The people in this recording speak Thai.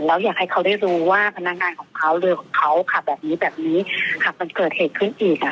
แล้วอยากให้เขาได้รู้ว่าพนักงานของเขาเรือของเขาขับแบบนี้แบบนี้ขับมันเกิดเหตุขึ้นอีกอ่ะ